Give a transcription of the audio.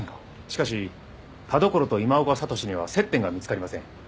しかし田所と今岡智司には接点が見つかりません。